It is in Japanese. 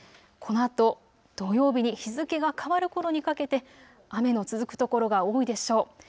このあと土曜日に日付が変わるころにかけて雨の続く所が多いでしょう。